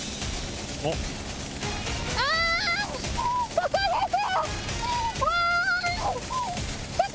ここです！